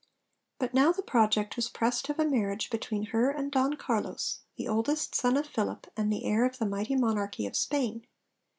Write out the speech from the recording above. But now the project was pressed of a marriage between her and Don Carlos, the oldest son of Philip and the heir of the mighty monarchy of Spain.